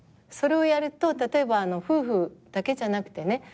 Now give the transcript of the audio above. それをやると例えば夫婦だけじゃなくてね